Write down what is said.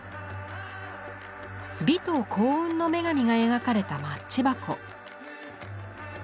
美と幸運の女神が描かれたマッチ箱。